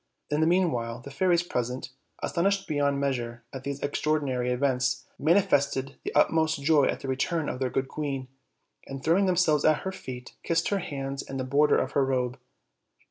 In the meanwhile, the fairies present, astonished beyond measure at these extraordi nary events, manifested the utmost joy at the return of their good queen, and, throwing themselves at her feet, kissed her hands and the border of her robe.